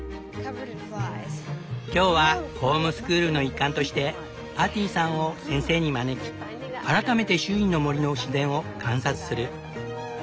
今日はホームスクールの一環としてパティさんを先生に招き改めて周囲の森の自然を観察する。